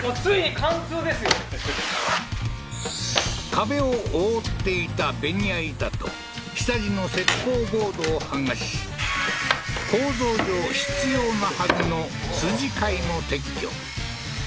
壁を覆っていたベニヤ板と下地の石膏ボードを剥がし構造上必要なはずの筋交も撤去